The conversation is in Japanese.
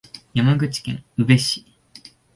山口県宇部市